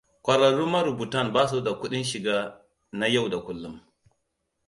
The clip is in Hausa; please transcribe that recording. Kwararrun marubutan ba su da kudin shiga na yau da kullun.